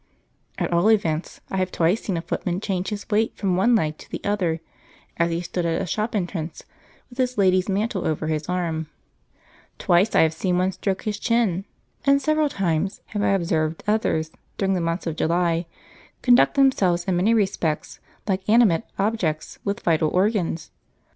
At all events, I have twice seen a footman change his weight from one leg to the other, as he stood at a shop entrance with his lady's mantle over his arm; twice have I seen one stroke his chin, and several times have I observed others, during the month of July, conduct themselves in many respects like animate objects with vital organs.